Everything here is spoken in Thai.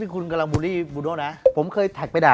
คุณกำลังบูรี่บรูโน่นะ